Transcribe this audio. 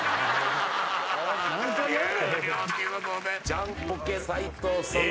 ジャンポケ斉藤さんの。